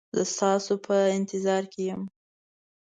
زه ستاسو په انتظار کې یم